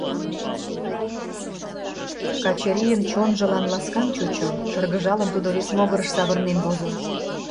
Качырийын чонжылан ласкан чучо, шыргыжалын, тудо вес могырыш савырнен возо.